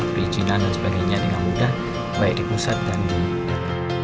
perizinan dan sebagainya dengan mudah baik di pusat dan di daerah